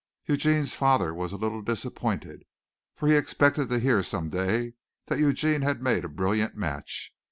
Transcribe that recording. Eugene's father was a little disappointed, for he expected to hear some day that Eugene had made a brilliant match.